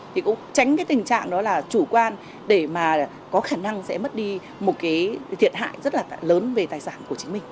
thì cũng tránh tình trạng đó là chủ quan để có khả năng sẽ mất đi một thiệt hại rất là lớn về tài sản của chính mình